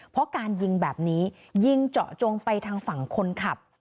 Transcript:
เพราะการยิงแบบนี้ยิงเจาะจงไปทางฝั่งคนขับ